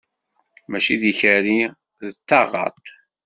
Mačči d ikerri, d taɣaṭ!